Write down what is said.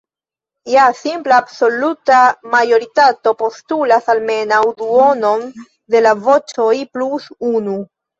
Ja simpla absoluta majoritato postulas almenaŭ duonon de la voĉoj plus unu.